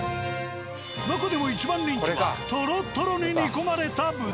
なかでも一番人気はトロトロに煮込まれた豚。